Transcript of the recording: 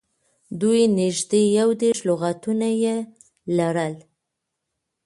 دوی نږدې یو دېرش لغاتونه یې لرل.